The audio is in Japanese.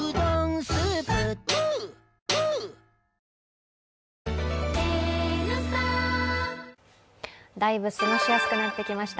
「のりしお」もねだいぶ過ごしやすくなってきました。